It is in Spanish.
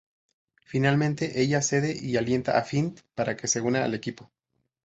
Finalmente, ella cede y alienta a Finn para que se una al equipo.